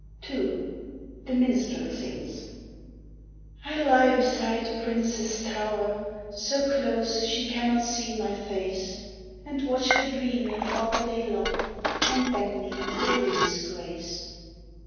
II The Minstrel sings: I lie beside the princess' tower, So close she cannot see my face, And watch her dreaming all day long, And bending with a lily's grace.